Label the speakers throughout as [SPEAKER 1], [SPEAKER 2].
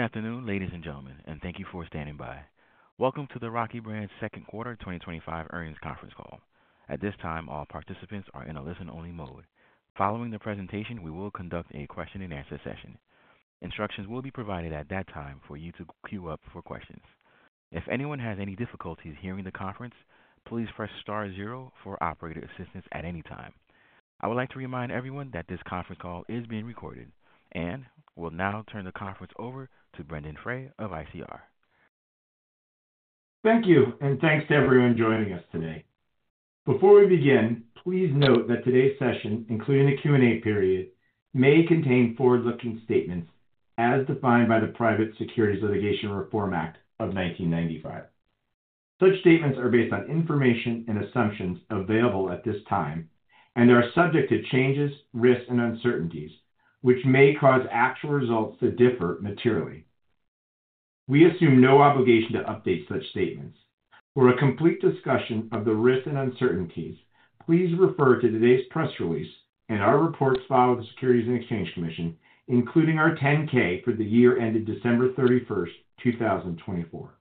[SPEAKER 1] Afternoon, ladies and gentlemen, and thank you for standing by. Welcome to the Rocky Brands Second Quarter 2025 earnings conference call. At this time, all participants are in a listen-only mode. Following the presentation, we will conduct a question-and-answer session. Instructions will be provided at that time for you to queue up for questions. If anyone has any difficulties hearing the conference, please press star zero for operator assistance at any time. I would like to remind everyone that this conference call is being recorded and will now turn the conference over to Brendon Frey of ICR.
[SPEAKER 2] Thank you, and thanks to everyone joining us today. Before we begin, please note that today's session, including the Q&A period, may contain forward-looking statements as defined by the Private Securities Litigation Reform Act of 1995. Such statements are based on information and assumptions available at this time, and they are subject to changes, risks, and uncertainties, which may cause actual results to differ materially. We assume no obligation to update such statements. For a complete discussion of the risks and uncertainties, please refer to today's press release and our reports filed with the U.S. Securities and Exchange Commission, including our 10-K for the year ended December 31, 2024.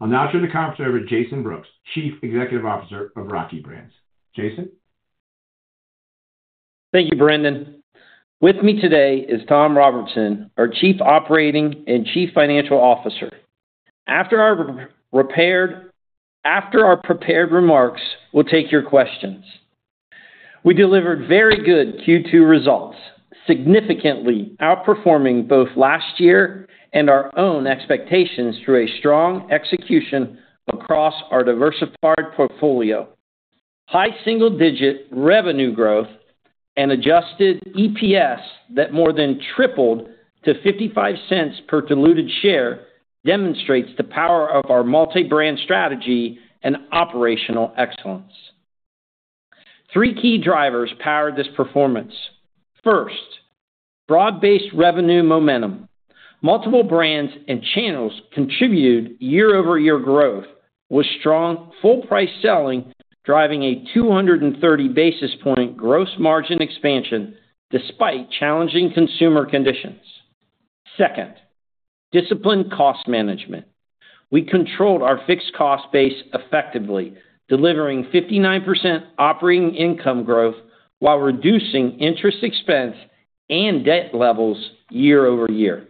[SPEAKER 2] I'll now turn the conference over to Jason Brooks, Chief Executive Officer of Rocky Brands. Jason.
[SPEAKER 3] Thank you, Brendon. With me today is Tom Robertson, our Chief Operating and Chief Financial Officer. After our prepared remarks, we'll take your questions. We delivered very good Q2 results, significantly outperforming both last year and our own expectations through strong execution across our diversified portfolio. High single-digit revenue growth and adjusted EPS that more than tripled to $0.55 per diluted share demonstrate the power of our multi-brand strategy and operational excellence. Three key drivers powered this performance. First, broad-based revenue momentum. Multiple brands and channels contributed year-over-year growth with strong full-price selling, driving a 230 basis point gross margin expansion despite challenging consumer conditions. Second, disciplined cost management. We controlled our fixed cost base effectively, delivering 59% operating income growth while reducing interest expense and debt levels year over year.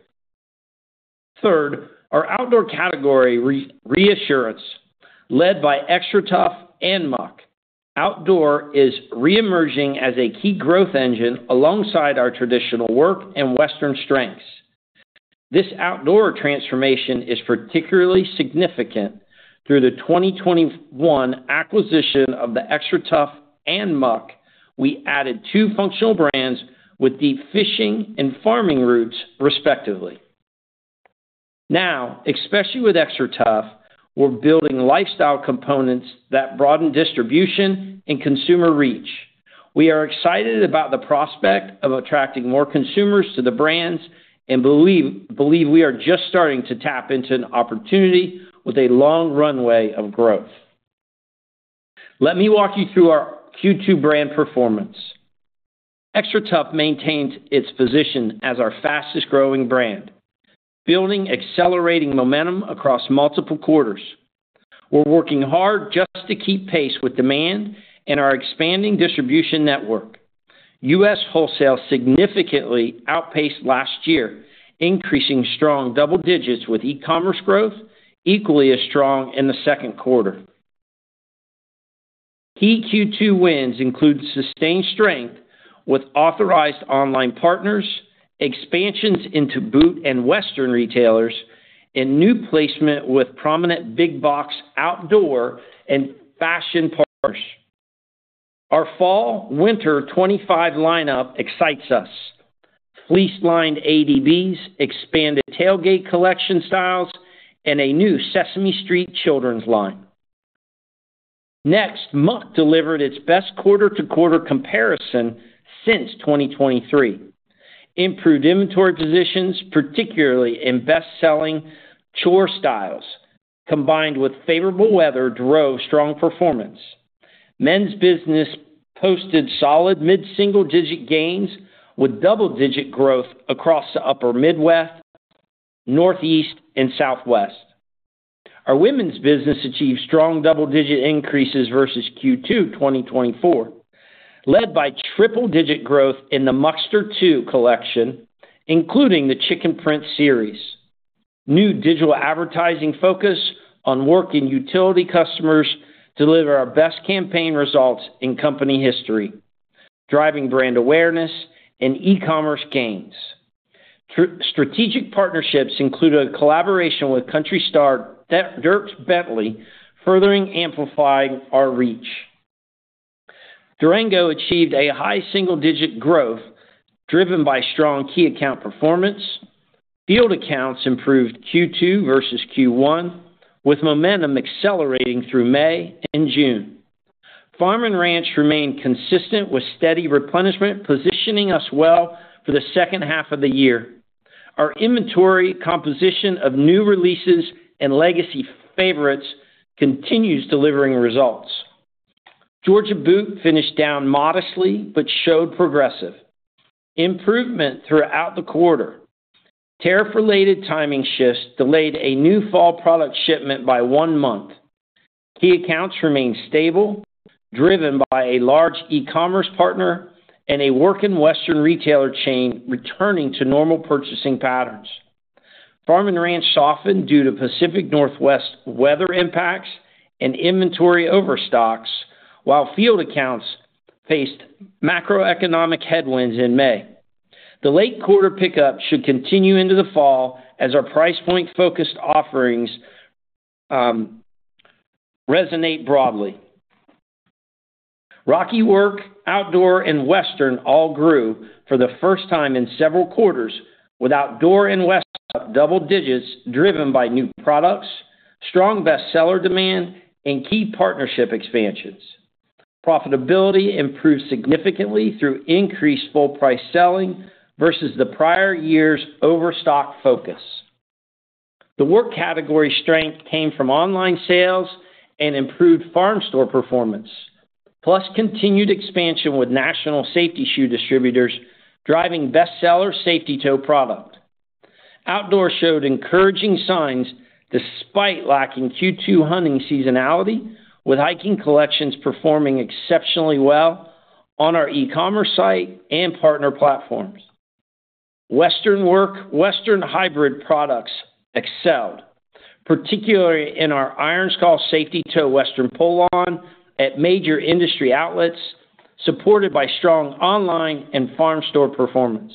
[SPEAKER 3] Third, our outdoor category resurgence, led by XTRATUF and The Original Muck Boot Company. Outdoor is reemerging as a key growth engine alongside our traditional work and Western strengths. This outdoor transformation is particularly significant through the 2021 acquisition of XTRATUF and Muck. We added two functional brands with deep fishing and farming roots, respectively. Now, especially with XTRATUF, we're building lifestyle components that broaden distribution and consumer reach. We are excited about the prospect of attracting more consumers to the brands and believe we are just starting to tap into an opportunity with a long runway of growth. Let me walk you through our Q2 brand performance. XTRATUF maintains its position as our fastest growing brand, building accelerating momentum across multiple quarters. We're working hard just to keep pace with demand and our expanding distribution network. U.S. wholesale significantly outpaced last year, increasing strong double digits with e-commerce growth equally as strong in the second quarter. Key Q2 wins include sustained strength with authorized online partners, expansions into boot and Western retailers, and new placement with prominent big box outdoor and fashion partners. Our fall-winter 2025 lineup excites us: fleece-lined ADBs, expanded tailgate collection styles, and a new Sesame Street children's line. Next, Muck delivered its best quarter-to-quarter comparison since 2023. Improved inventory positions, particularly in best-selling chore styles, combined with favorable weather, drove strong performance. Men's business posted solid mid-single-digit gains with double-digit growth across the Upper Midwest, Northeast, and Southwest. Our women's business achieved strong double-digit increases versus Q2 2024, led by triple-digit growth in the Muckster 2 collection, including the chicken print series. New digital advertising focus on work and utility customers delivered our best campaign results in company history, driving brand awareness and e-commerce gains. Strategic partnerships included a collaboration with Country Star Dierks Bentley, further amplifying our reach. Durango achieved high single-digit growth, driven by strong key account performance. Field accounts improved Q2 versus Q1, with momentum accelerating through May and June. Farm and ranch remained consistent with steady replenishment, positioning us well for the second half of the year. Our inventory composition of new releases and legacy favorites continues delivering results. Georgia Boot finished down modestly but showed progressive improvement throughout the quarter. Tariff-related timing shifts delayed a new fall product shipment by one month. Key accounts remained stable, driven by a large e-commerce partner and a working Western retailer chain returning to normal purchasing patterns. Farm and ranch softened due to Pacific Northwest weather impacts and inventory overstocks, while field accounts faced macroeconomic headwinds in May. The late quarter pickup should continue into the fall as our price point-focused offerings resonate broadly. Rocky work, outdoor, and Western all grew for the first time in several quarters, with outdoor and Western double digits driven by new products, strong bestseller demand, and key partnership expansions. Profitability improved significantly through increased full-price selling versus the prior year's overstock focus. The work category strength came from online sales and improved farm store performance, plus continued expansion with national safety shoe distributors driving bestseller safety toe product. Outdoor showed encouraging signs despite lacking Q2 hunting seasonality, with hiking collections performing exceptionally well on our e-commerce site and partner platforms. Western work, Western hybrid products excelled, particularly in our Iron Skull safety toe Western pull-on at major industry outlets, supported by strong online and farm store performance.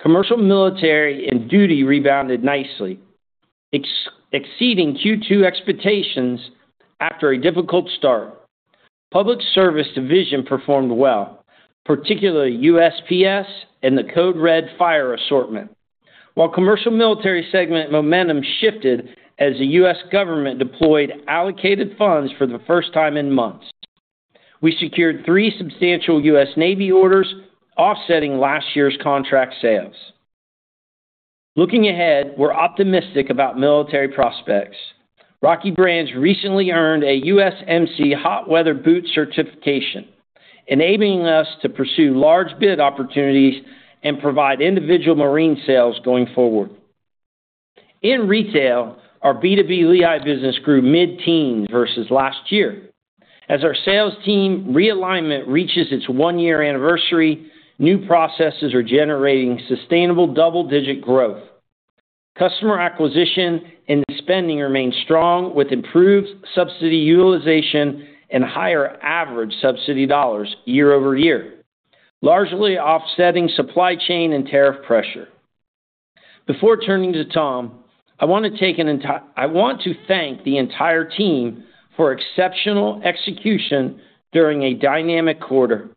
[SPEAKER 3] Commercial military and duty rebounded nicely, exceeding Q2 expectations after a difficult start. Public Service division performed well, particularly USPS and the Code Red fire assortment, while commercial military segment momentum shifted as the U.S. government deployed allocated funds for the first time in months. We secured three substantial U.S. Navy orders, offsetting last year's contract sales. Looking ahead, we're optimistic about military prospects. Rocky Brands recently earned a USMC Hot Weather Boot certification, enabling us to pursue large bid opportunities and provide individual Marine sales going forward. In retail, our B2B Lehigh business grew mid-teens versus last year. As our sales team realignment reaches its one-year anniversary, new processes are generating sustainable double-digit growth. Customer acquisition and spending remain strong with improved subsidy utilization and higher average subsidy dollars year over year, largely offsetting supply chain and tariff pressure. Before turning to Tom, I want to thank the entire team for exceptional execution during a dynamic quarter.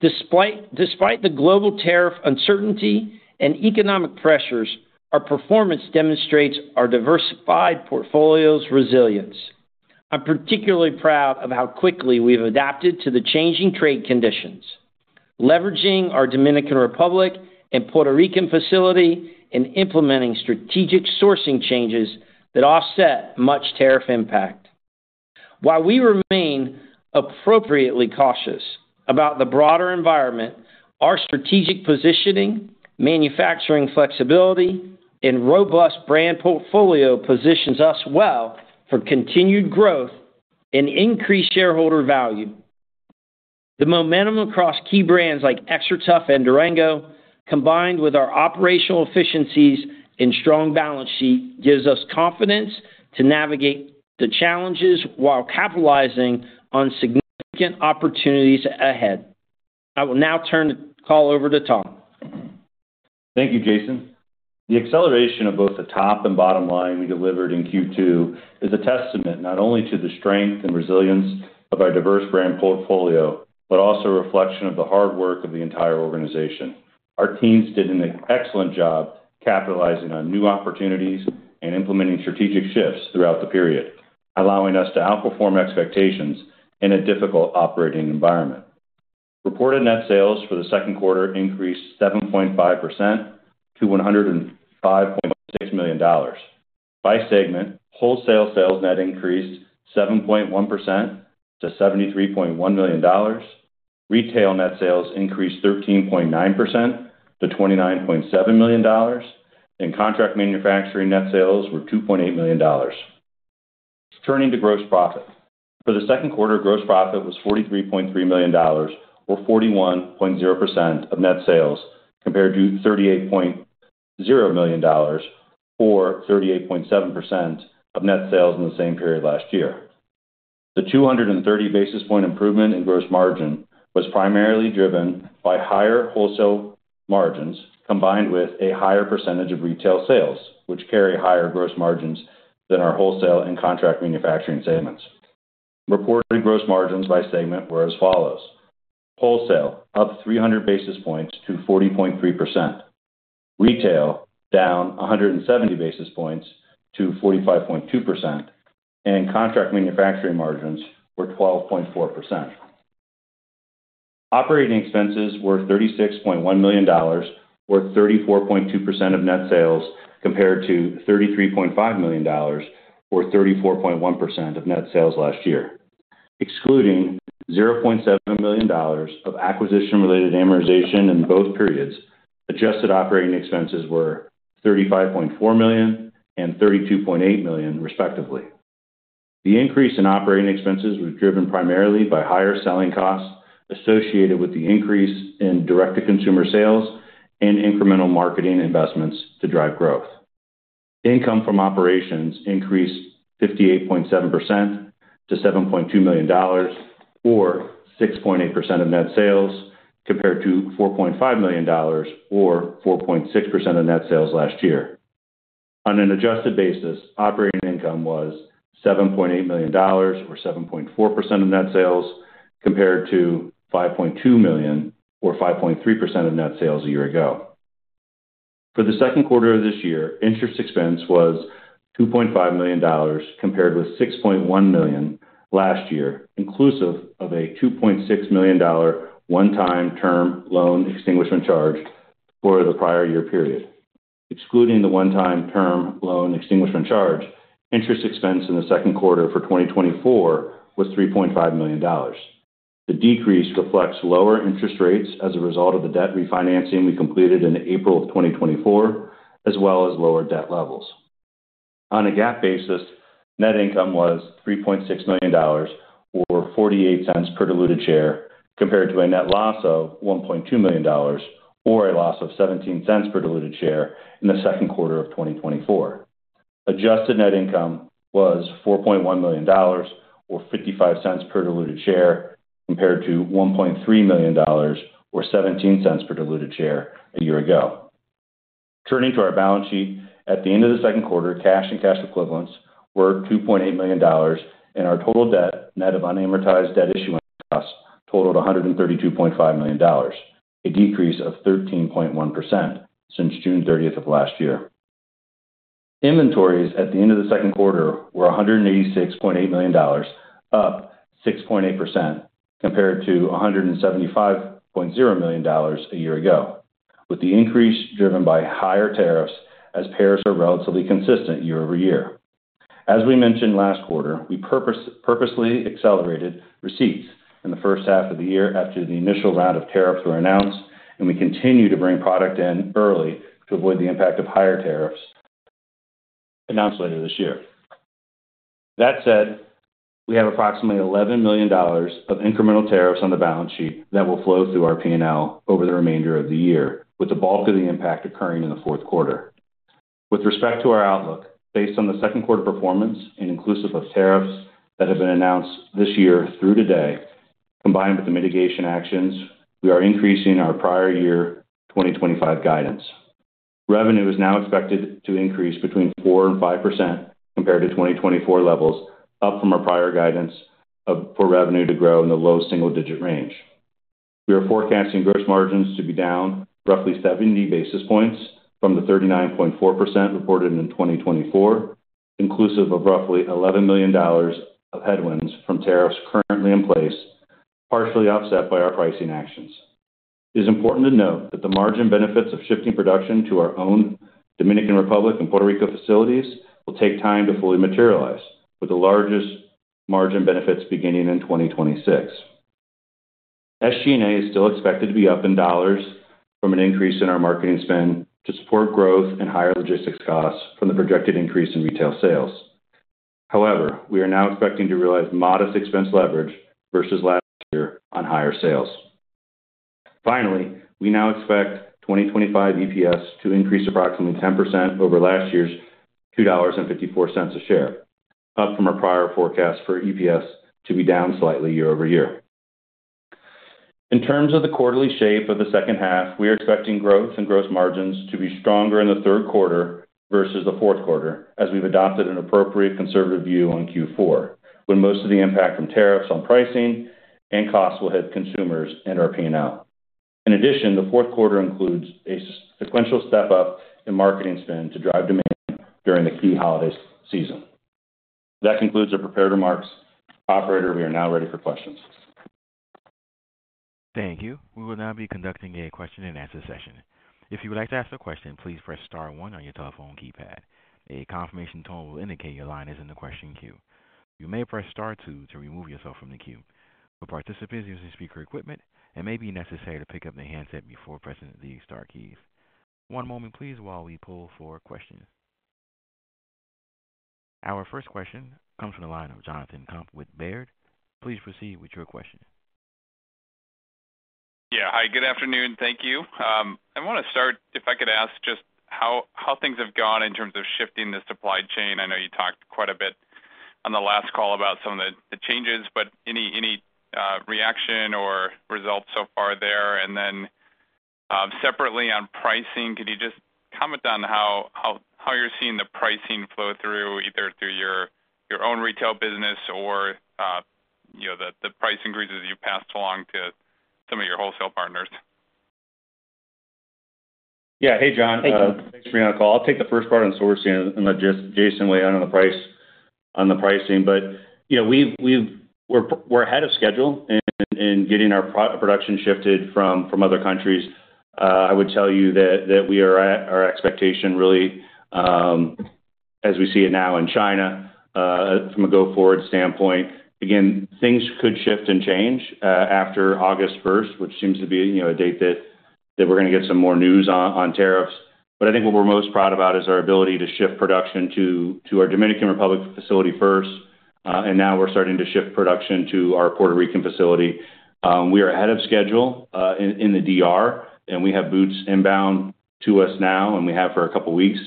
[SPEAKER 3] Despite the global tariff uncertainty and economic pressures, our performance demonstrates our diversified portfolio's resilience. I'm particularly proud of how quickly we've adapted to the changing trade conditions, leveraging our Dominican Republic and Puerto Rico facility in implementing strategic sourcing changes that offset much tariff impact. While we remain appropriately cautious about the broader environment, our strategic positioning, manufacturing flexibility, and robust brand portfolio positions us well for continued growth and increased shareholder value. The momentum across key brands like XTRATUF and Durango, combined with our operational efficiencies and strong balance sheet, gives us confidence to navigate the challenges while capitalizing on significant opportunities ahead. I will now turn the call over to Tom.
[SPEAKER 4] Thank you, Jason. The acceleration of both the top and bottom line we delivered in Q2 is a testament not only to the strength and resilience of our diverse brand portfolio but also a reflection of the hard work of the entire organization. Our teams did an excellent job capitalizing on new opportunities and implementing strategic shifts throughout the period, allowing us to outperform expectations in a difficult operating environment. Reported net sales for the second quarter increased 7.5% to $105.6 million. By segment, wholesale sales net increased 7.1% to $73.1 million. Retail net sales increased 13.9% to $29.7 million, and contract manufacturing net sales were $2.8 million. Turning to gross profit, for the second quarter, gross profit was $43.3 million, or 41.0% of net sales, compared to $38.0 million, or 38.7% of net sales in the same period last year. The 230 basis point improvement in gross margin was primarily driven by higher wholesale margins combined with a higher percentage of retail sales, which carry higher gross margins than our wholesale and contract manufacturing segments. Reported gross margins by segment were as follows: wholesale up 300 basis points to 40.3%, retail down 170 basis points to 45.2%, and contract manufacturing margins were 12.4%. Operating expenses were $36.1 million, worth 34.2% of net sales compared to $33.5 million, worth 34.1% of net sales last year. Excluding $0.7 million of acquisition-related amortization in both periods, adjusted operating expenses were $35.4 million and $32.8 million, respectively. The increase in operating expenses was driven primarily by higher selling costs associated with the increase in direct-to-consumer sales and incremental marketing investments to drive growth. Income from operations increased 58.7% to $7.2 million, or 6.8% of net sales compared to $4.5 million, or 4.6% of net sales last year. On an adjusted basis, operating income was $7.8 million, or 7.4% of net sales compared to $5.2 million, or 5.3% of net sales a year ago. For the second quarter of this year, interest expense was $2.5 million compared with $6.1 million last year, inclusive of a $2.6 million one-time term loan extinguishment charge for the prior year period. Excluding the one-time term loan extinguishment charge, interest expense in the second quarter for 2024 was $3.5 million. The decrease reflects lower interest rates as a result of the debt refinancing we completed in April of 2024, as well as lower debt levels. On a GAAP basis, net income was $3.6 million, or $0.48 per diluted share, compared to a net loss of $1.2 million, or a loss of $0.17 per diluted share in the second quarter of 2024. Adjusted net income was $4.1 million, or $0.55 per diluted share, compared to $1.3 million, or $0.17 per diluted share a year ago. Turning to our balance sheet, at the end of the second quarter, cash and cash equivalents were $2.8 million, and our total debt net of unamortized debt issuance costs totaled $132.5 million, a decrease of 13.1% since June 30 of last year. Inventories at the end of the second quarter were $186.8 million, up 6.8% compared to $175.0 million a year ago, with the increase driven by higher tariffs as tariffs are relatively consistent year over year. As we mentioned last quarter, we purposely accelerated receipts in the first half of the year after the initial round of tariffs were announced, and we continue to bring product in early to avoid the impact of higher tariffs announced later this year. That said, we have approximately $11 million of incremental tariffs on the balance sheet that will flow through our P&L over the remainder of the year, with the bulk of the impact occurring in the fourth quarter. With respect to our outlook, based on the second quarter performance and inclusive of tariffs that have been announced this year through today, combined with the mitigation actions, we are increasing our prior year 2025 guidance. Revenue is now expected to increase between 4% and 5% compared to 2024 levels, up from our prior guidance for revenue to grow in the low single-digit range. We are forecasting gross margins to be down roughly 70 basis points from the 39.4% reported in 2024, inclusive of roughly $11 million of headwinds from tariffs currently in place, partially offset by our pricing actions. It is important to note that the margin benefits of shifting production to our own Dominican Republic and Puerto Rico facilities will take time to fully materialize, with the largest margin benefits beginning in 2026. SG&A is still expected to be up in dollars from an increase in our marketing spend to support growth and higher logistics costs from the projected increase in retail sales. However, we are now expecting to realize modest expense leverage versus last year on higher sales. Finally, we now expect 2025 EPS to increase approximately 10% over last year's $2.54 a share, up from our prior forecast for EPS to be down slightly year over year. In terms of the quarterly shape of the second half, we are expecting growth and gross margins to be stronger in the third quarter versus the fourth quarter, as we've adopted an appropriate conservative view on Q4, when most of the impact from tariffs on pricing and costs will hit consumers and our P&L. In addition, the fourth quarter includes a sequential step up in marketing spend to drive demand during the key holiday season. That concludes our prepared remarks. Operator, we are now ready for questions.
[SPEAKER 1] Thank you. We will now be conducting a question-and-answer session. If you would like to ask a question, please press star one on your telephone keypad. A confirmation tone will indicate your line is in the question queue. You may press star two to remove yourself from the queue. For participants using speaker equipment, it may be necessary to pick up the handset before pressing the star keys. One moment, please, while we pull for questions. Our first question comes from the line of Jonathan Komp with Baird. Please proceed with your question.
[SPEAKER 5] Yeah. Hi. Good afternoon. Thank you. I want to start, if I could ask, just how things have gone in terms of shifting the supply chain. I know you talked quite a bit on the last call about some of the changes, but any reaction or results so far there? Separately on pricing, can you just comment on how you're seeing the pricing flow through either through your own retail business or the price increases you passed along to some of your wholesale partners?
[SPEAKER 4] Yeah. Hey, Jonathan.
[SPEAKER 5] Thank you.
[SPEAKER 4] Thanks for being on the call. I'll take the first part on sourcing and let Jason weigh in on the pricing. We're ahead of schedule in getting our production shifted from other countries. I would tell you that we are at our expectation, really, as we see it now in China, from a go-forward standpoint. Things could shift and change after August 1, which seems to be a date that we're going to get some more news on tariffs. I think what we're most proud about is our ability to shift production to our Dominican Republic facility first, and now we're starting to shift production to our Puerto Rico facility. We are ahead of schedule in the Dominican Republic, and we have boots inbound to us now, and we have for a couple of weeks.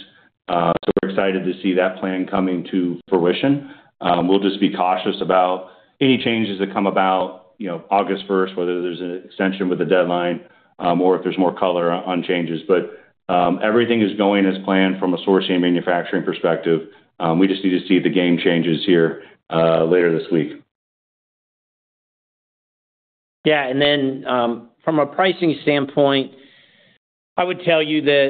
[SPEAKER 4] We're excited to see that plan coming to fruition. We'll just be cautious about any changes that come about August 1, whether there's an extension with a deadline or if there's more color on changes. Everything is going as planned from a sourcing and manufacturing perspective. We just need to see the game changes here later this week.
[SPEAKER 3] Yeah. From a pricing standpoint, I would tell you that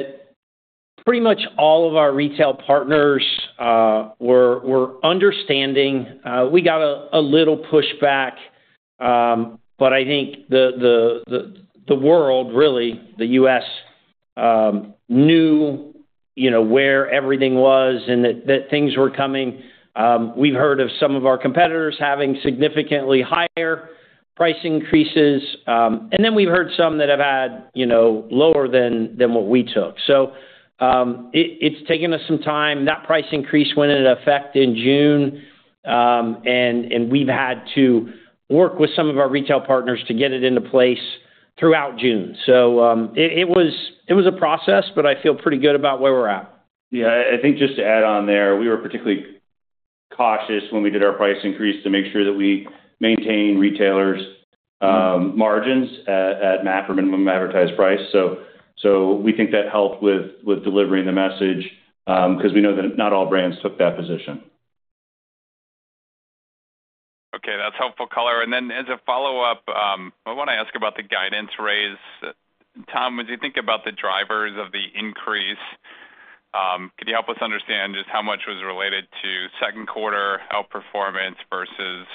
[SPEAKER 3] pretty much all of our retail partners were understanding. We got a little pushback, but I think the world, really, the U.S. knew, you know, where everything was and that things were coming. We've heard of some of our competitors having significantly higher price increases, and we've heard some that have had lower than what we took. It's taken us some time. That price increase went into effect in June, and we've had to work with some of our retail partners to get it into place throughout June. It was a process, but I feel pretty good about where we're at.
[SPEAKER 4] Yeah. I think just to add on there, we were particularly cautious when we did our price increase to make sure that we maintain retailers' margins at MAP or minimum advertised price. We think that helped with delivering the message because we know that not all brands took that position.
[SPEAKER 5] Okay. That's helpful color. As a follow-up, I want to ask about the guidance raised. Tom, as you think about the drivers of the increase, could you help us understand just how much was related to second-quarter outperformance versus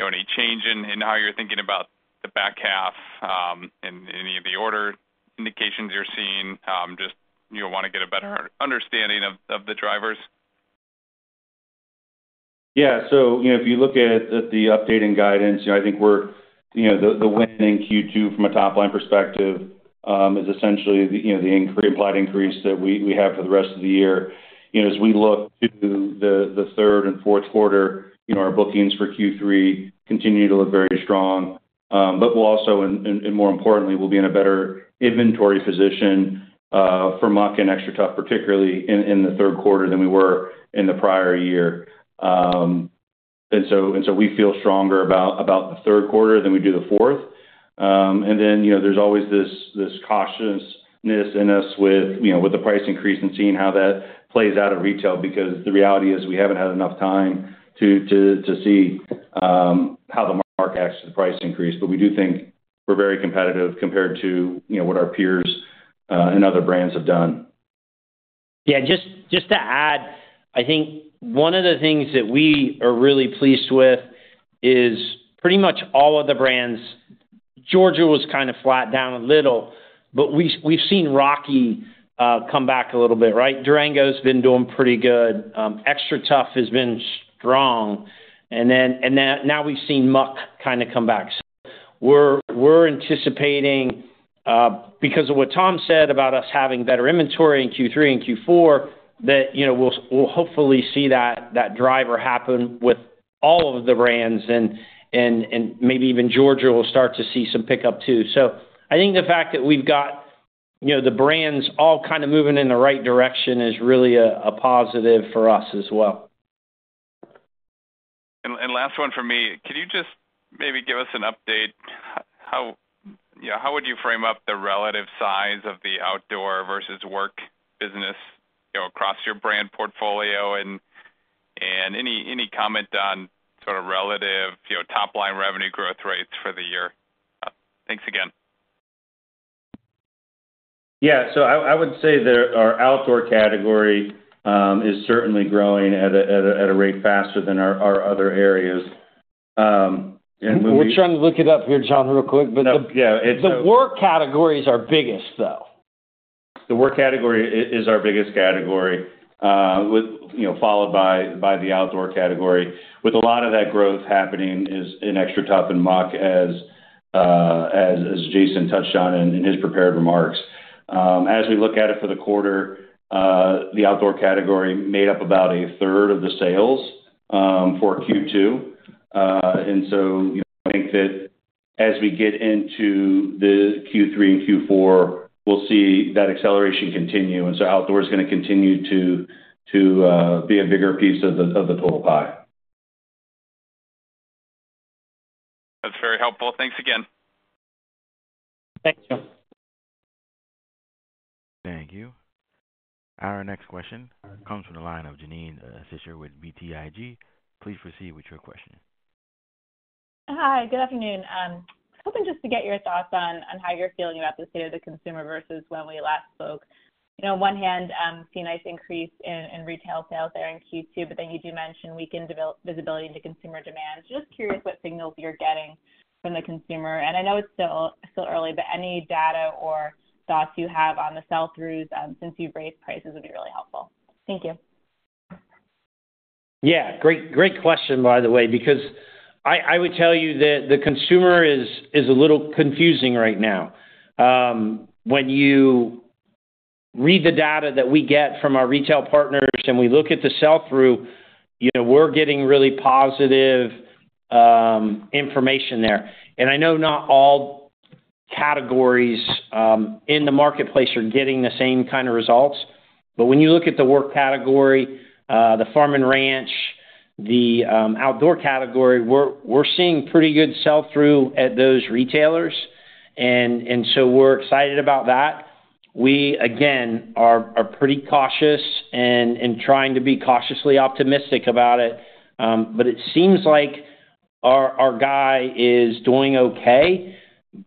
[SPEAKER 5] any change in how you're thinking about the back half and any of the order indications you're seeing? I just want to get a better understanding of the drivers.
[SPEAKER 4] Yeah. If you look at the update in guidance, I think we're, you know, the win in Q2 from a top-line perspective is essentially the implied increase that we have for the rest of the year. As we look to the third and fourth quarter, our bookings for Q3 continue to look very strong. More importantly, we'll be in a better inventory position for Muck and XTRATUF, particularly in the third quarter than we were in the prior year. We feel stronger about the third quarter than we do the fourth. There's always this cautiousness in us with the price increase and seeing how that plays out in retail because the reality is we haven't had enough time to see how the market acts to the price increase. We do think we're very competitive compared to what our peers and other brands have done.
[SPEAKER 3] Yeah. Just to add, I think one of the things that we are really pleased with is pretty much all of the brands. Georgia Boot was kind of flat, down a little, but we've seen Rocky come back a little bit. Durango's been doing pretty good. XTRATUF has been strong. Now we've seen The Original Muck Boot Company kind of come back. We are anticipating, because of what Tom said about us having better inventory in Q3 and Q4, that we'll hopefully see that driver happen with all of the brands. Maybe even Georgia Boot will start to see some pickup too. I think the fact that we've got the brands all kind of moving in the right direction is really a positive for us as well.
[SPEAKER 5] Last one from me. Can you just maybe give us an update? How would you frame up the relative size of the outdoor versus work business across your brand portfolio? Any comment on sort of relative top-line revenue growth rates for the year? Thanks again.
[SPEAKER 4] Yeah, I would say that our outdoor category is certainly growing at a rate faster than our other areas.
[SPEAKER 3] We're trying to look it up here, Jonathan, real quick.
[SPEAKER 4] Yeah.
[SPEAKER 3] The work category is our biggest, though.
[SPEAKER 4] The work category is our biggest category, followed by the outdoor category, with a lot of that growth happening in XTRATUF and Muck, as Jason touched on in his prepared remarks. As we look at it for the quarter, the outdoor category made up about a third of the sales for Q2. I think that as we get into Q3 and Q4, we'll see that acceleration continue. Outdoor is going to continue to be a bigger piece of the total buy.
[SPEAKER 5] That's very helpful. Thanks again.
[SPEAKER 3] Thanks, John.
[SPEAKER 1] Thank you. Our next question comes from the line of Janine Stichter with BTIG. Please proceed with your question.
[SPEAKER 6] Hi. Good afternoon. Hoping just to get your thoughts on how you're feeling about this year as a consumer versus when we last spoke. You know, on one hand, seeing a nice increase in retail sales there in Q2, but you do mention weakened visibility into consumer demand. Just curious what signals you're getting from the consumer. I know it's still early, but any data or thoughts you have on the sell-throughs since you've raised prices would be really helpful. Thank you.
[SPEAKER 3] Great question, by the way, because I would tell you that the consumer is a little confusing right now. When you read the data that we get from our retail partners and we look at the sell-through, we're getting really positive information there. I know not all categories in the marketplace are getting the same kind of results. When you look at the work category, the farm and ranch, the outdoor category, we're seeing pretty good sell-through at those retailers, and we're excited about that. We, again, are pretty cautious and trying to be cautiously optimistic about it. It seems like our guy is doing okay,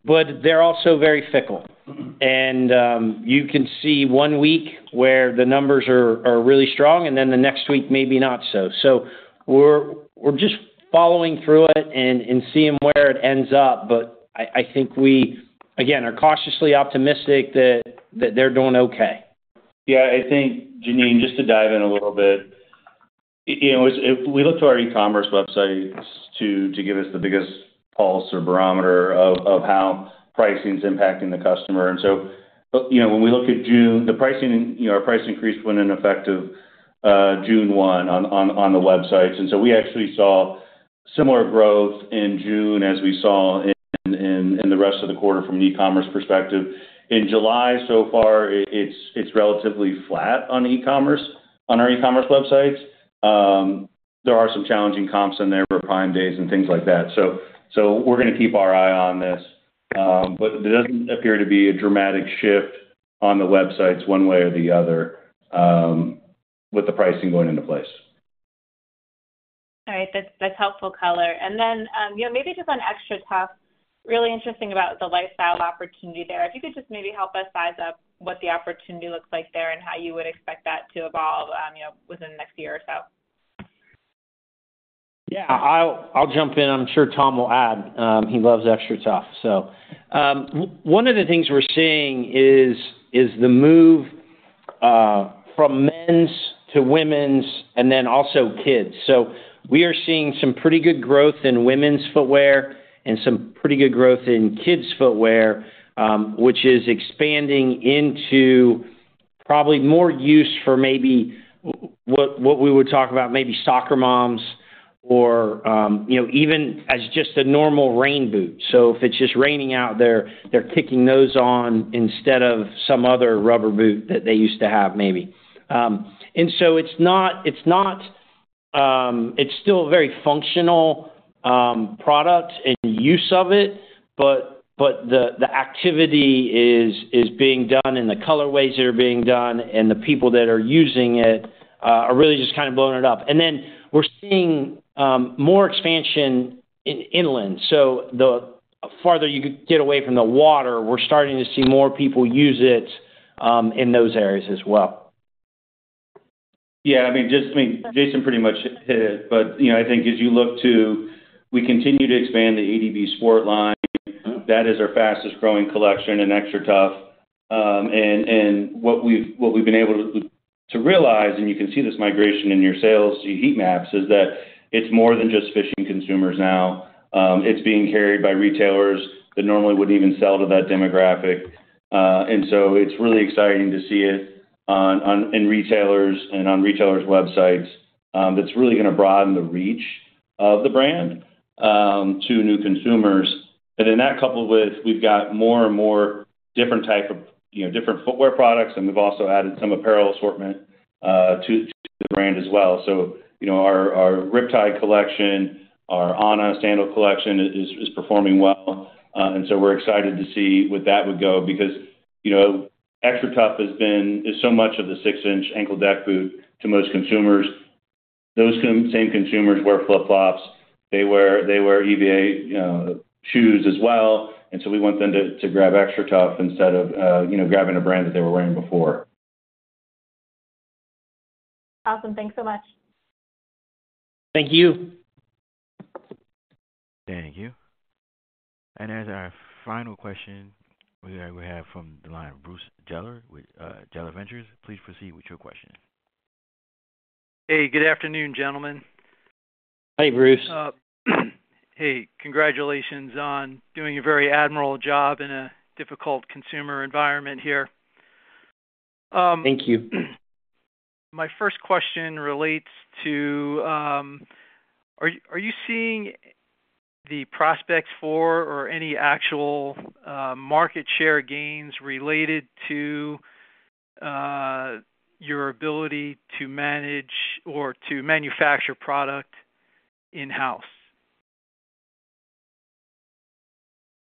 [SPEAKER 3] but they're also very fickle. You can see one week where the numbers are really strong and then the next week maybe not so. We're just following through it and seeing where it ends up. I think we, again, are cautiously optimistic that they're doing okay.
[SPEAKER 4] Yeah. I think, Janine, just to dive in a little bit, you know, if we look to our e-commerce websites to give us the biggest pulse or barometer of how pricing is impacting the customer. When we look at June, the pricing, you know, our price increase went in effect June 1 on the websites. We actually saw similar growth in June as we saw in the rest of the quarter from an e-commerce perspective. In July so far, it's relatively flat on our e-commerce websites. There are some challenging comps in there for Prime Days and things like that. We are going to keep our eye on this. There doesn't appear to be a dramatic shift on the websites one way or the other with the pricing going into place.
[SPEAKER 6] All right. That's helpful color. Maybe just on XTRATUF, really interesting about the lifestyle opportunity there. If you could just maybe help us size up what the opportunity looks like there and how you would expect that to evolve within the next year or so.
[SPEAKER 3] Yeah. I'll jump in. I'm sure Tom will add. He loves XTRATUF. One of the things we're seeing is the move from men's to women's and then also kids. We are seeing some pretty good growth in women's footwear and some pretty good growth in kids' footwear, which is expanding into probably more use for maybe what we would talk about, maybe soccer moms or, you know, even as just a normal rain boot. If it's just raining out there, they're kicking those on instead of some other rubber boot that they used to have, maybe. It's still a very functional product and use of it, but the activity is being done and the colorways that are being done and the people that are using it are really just kind of blowing it up. We are seeing more expansion inland. The farther you get away from the water, we're starting to see more people use it in those areas as well.
[SPEAKER 4] Yeah. I mean, Jason pretty much hit it. I think as you look to, we continue to expand the ADB Sport line. That is our fastest growing collection in XTRATUF. What we've been able to realize, and you can see this migration in your sales to heat maps, is that it's more than just fishing consumers now. It's being carried by retailers that normally wouldn't even sell to that demographic. It's really exciting to see it in retailers and on retailers' websites. That's really going to broaden the reach of the brand to new consumers. That, coupled with we've got more and more different types of different footwear products, and we've also added some apparel assortment to the brand as well. Our Riptide collection, our Ana sandal collection is performing well. We're excited to see what that would go because XTRATUF has been so much of the six-inch ankle-deck boot to most consumers. Those same consumers wear flip-flops. They wear EVA shoes as well. We want them to grab XTRATUF instead of grabbing a brand that they were wearing before.
[SPEAKER 6] Awesome. Thanks so much.
[SPEAKER 3] Thank you.
[SPEAKER 1] Thank you. As our final question, we have from the line of Bruce Deller with Deller Ventures. Please proceed with your question.
[SPEAKER 7] Hey, good afternoon, gentlemen.
[SPEAKER 5] Hi, Bruce.
[SPEAKER 7] Hey, congratulations on doing a very admirable job in a difficult consumer environment here.
[SPEAKER 3] Thank you.
[SPEAKER 7] My first question relates to, are you seeing the prospects for or any actual market share gains related to your ability to manage or to manufacture product in-house?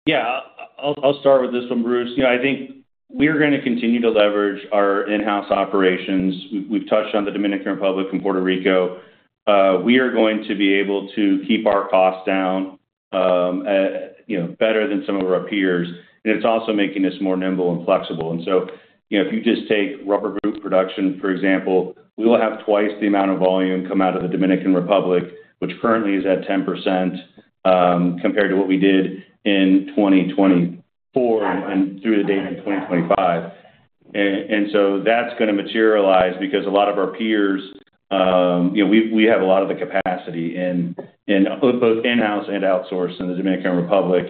[SPEAKER 4] Yeah. I'll start with this one, Bruce. I think we are going to continue to leverage our in-house operations. We've touched on the Dominican Republic and Puerto Rico. We are going to be able to keep our costs down better than some of our peers. It's also making us more nimble and flexible. If you just take rubber boot production, for example, we will have twice the amount of volume come out of the Dominican Republic, which currently is at 10% compared to what we did in 2024 and through the date in 2025. That's going to materialize because a lot of our peers, we have a lot of the capacity in both in-house and outsourced in the Dominican Republic.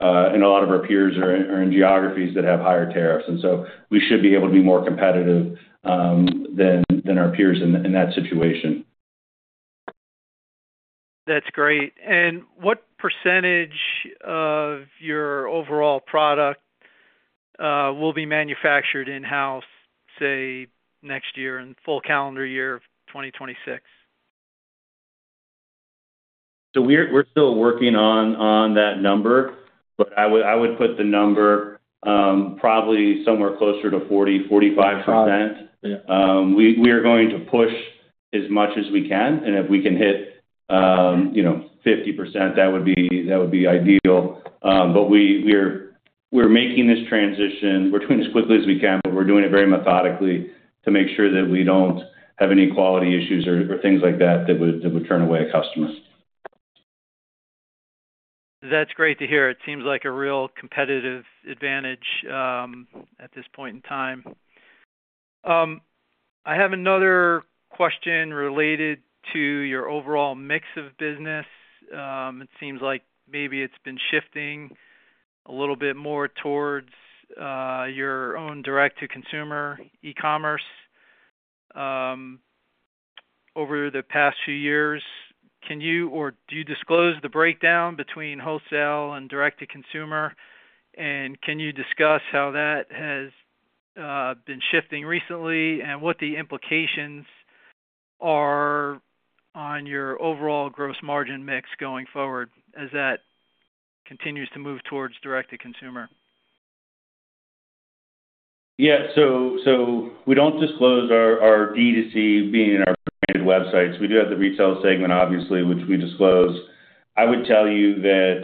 [SPEAKER 4] A lot of our peers are in geographies that have higher tariffs. We should be able to be more competitive than our peers in that situation.
[SPEAKER 7] That's great. What percentage of your overall product will be manufactured in-house, say, next year in the full calendar year of 2026?
[SPEAKER 4] We are still working on that number, but I would put the number probably somewhere closer to 40% to 45%. We are going to push as much as we can. If we can hit 50%, that would be ideal. We are making this transition and doing it as quickly as we can, but we are doing it very methodically to make sure that we do not have any quality issues or things like that that would turn away customers.
[SPEAKER 7] That's great to hear. It seems like a real competitive advantage at this point in time. I have another question related to your overall mix of business. It seems like maybe it's been shifting a little bit more towards your own direct-to-consumer e-commerce over the past few years. Do you disclose the breakdown between wholesale and direct-to-consumer? Can you discuss how that has been shifting recently and what the implications are on your overall gross margin mix going forward as that continues to move towards direct-to-consumer?
[SPEAKER 4] Yeah. We don't disclose our direct-to-consumer being in our branded websites. We do have the retail segment, obviously, which we disclose. I would tell you that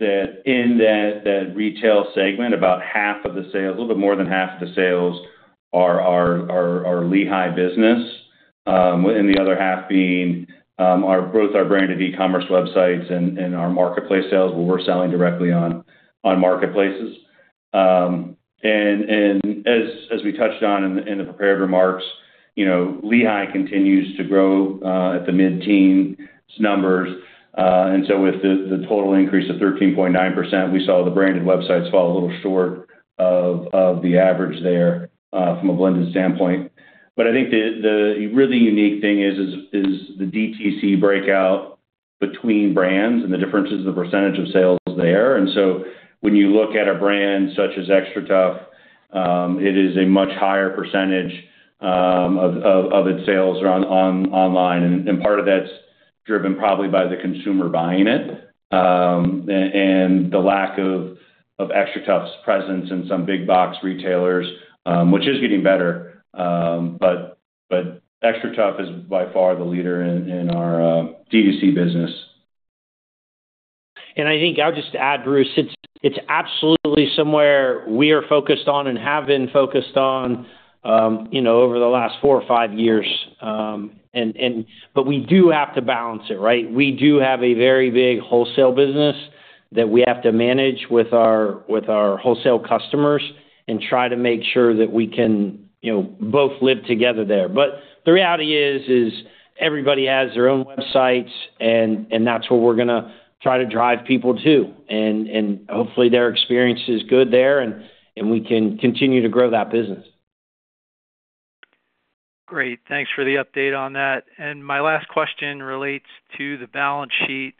[SPEAKER 4] in that retail segment, about half of the sales, a little bit more than half of the sales, are our Lehigh business, and the other half being both our branded e-commerce websites and our marketplace sales, what we're selling directly on marketplaces. As we touched on in the prepared remarks, Lehigh continues to grow at the mid-teens numbers. With the total increase of 13.9%, we saw the branded websites fall a little short of the average there from a blended standpoint. I think the really unique thing is the direct-to-consumer breakout between brands and the differences in the percentage of sales there. When you look at a brand such as XTRATUF, it is a much higher percentage of its sales are online. Part of that's driven probably by the consumer buying it and the lack of XTRATUF's presence in some big box retailers, which is getting better. XTRATUF is by far the leader in our direct-to-consumer business.
[SPEAKER 3] I think I'll just add, Bruce, it's absolutely somewhere we are focused on and have been focused on over the last four or five years. We do have to balance it, right? We do have a very big wholesale business that we have to manage with our wholesale customers and try to make sure that we can both live together there. The reality is everybody has their own websites, and that's where we're going to try to drive people to. Hopefully, their experience is good there, and we can continue to grow that business.
[SPEAKER 7] Great. Thanks for the update on that. My last question relates to the balance sheet.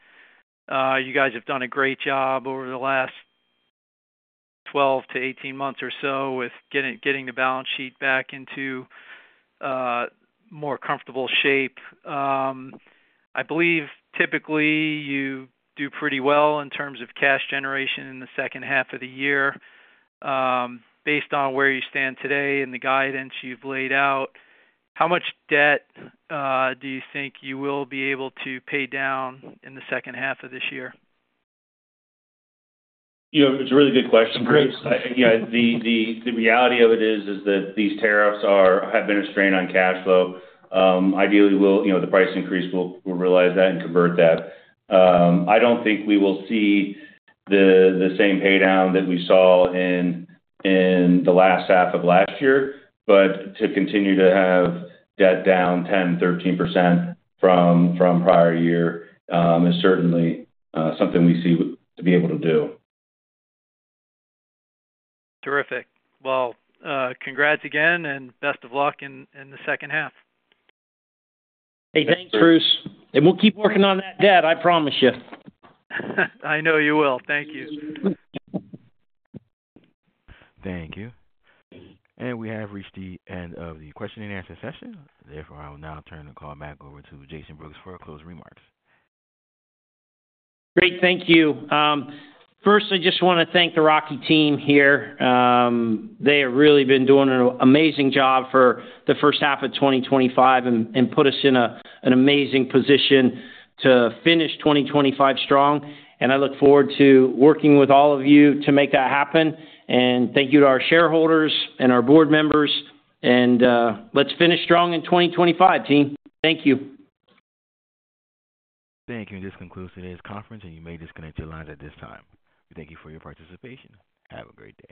[SPEAKER 7] You guys have done a great job over the last 12 to 18 months or so with getting the balance sheet back into more comfortable shape. I believe, typically, you do pretty well in terms of cash generation in the second half of the year. Based on where you stand today and the guidance you've laid out, how much debt do you think you will be able to pay down in the second half of this year?
[SPEAKER 4] You know, it's a really good question, Bruce. The reality of it is that these tariffs have been a strain on cash flow. Ideally, the price increase, we'll realize that and convert that. I don't think we will see the same paydown that we saw in the last half of last year. To continue to have debt down 10%, 13% from prior year is certainly something we see to be able to do.
[SPEAKER 7] Terrific. Congratulations again, and best of luck in the second half.
[SPEAKER 3] Hey, thanks, Bruce. We'll keep working on that debt, I promise you.
[SPEAKER 7] I know you will. Thank you.
[SPEAKER 1] Thank you. We have reached the end of the question-and-answer session. Therefore, I will now turn the call back over to Jason Brooks for closing remarks.
[SPEAKER 3] Great. Thank you. First, I just want to thank the Rocky team here. They have really been doing an amazing job for the first half of 2025 and put us in an amazing position to finish 2025 strong. I look forward to working with all of you to make that happen. Thank you to our shareholders and our board members. Let's finish strong in 2025, team. Thank you.
[SPEAKER 1] Thank you. This concludes today's conference, and you may disconnect your lines at this time. We thank you for your participation. Have a great day.